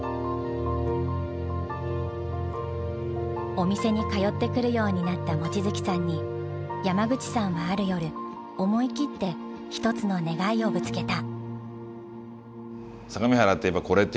お店に通ってくるようになった望月さんに山口さんはある夜思い切ってひとつの願いをぶつけた。